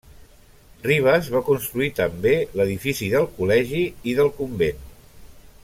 Rivas va construir també l'edifici del col·legi i del convent.